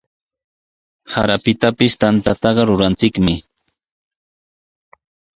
Sarapitapis tantaqa ruranchikmi.